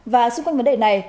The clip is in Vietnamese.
và xung quanh vấn đề này